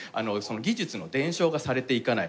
技術の伝承がされていかない。